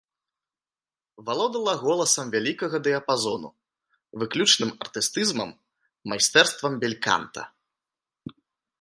Валодала голасам вялікага дыяпазону, выключным артыстызмам, майстэрствам бельканта.